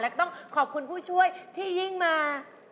แล้วก็ต้องขอบคุณผู้ช่วยที่ยิ่งมา